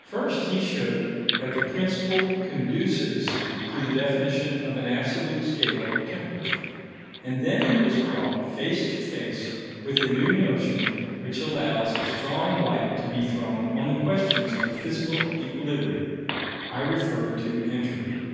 First, he showed that the principle conduces to the definition of an absolute scale of temperature; and then he was brought face to face with a new notion which allows a strong light to be thrown on the questions of physical equilibrium. I refer to entropy.